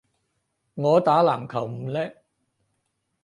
我打籃球唔叻